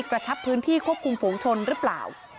กระชับพื้นที่ควบคุมฝูงชนหรือเปล่า